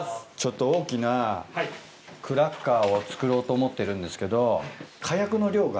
大きなクラッカーを作ろうと思ってるんですけど。